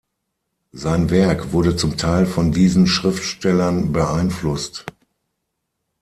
Sein Werk wurde zum Teil von diesen Schriftstellern beeinflusst.